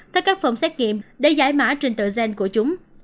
tại các phòng xét nghiệm để giải mã trình tựa gen của chúng